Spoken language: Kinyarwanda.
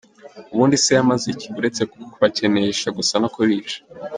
Ubundi se yamaze iki, uretse gubakenesha gusa no kubica?!